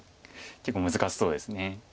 結構難しそうです。